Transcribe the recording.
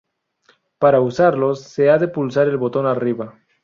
Para usarlos, se ha de pulsar el botón arriba.